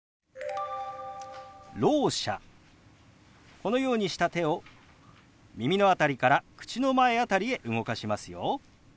このようにした手を耳の辺りから口の前辺りへ動かしますよ。